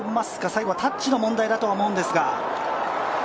最後はタッチの問題だと思いますが。